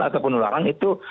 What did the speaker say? atau penularan itu